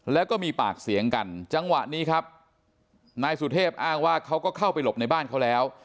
แล้วก็มีปากเสียงกันจังหวะนี้ครับนายสุเทพอ้างว่าเขาก็เข้าไปหลบในบ้านเขาแล้ว